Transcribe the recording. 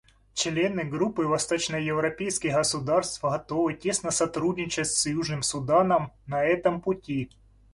Члены Группы восточноевропейских государств готовы тесно сотрудничать с Южным Суданом на этом пути.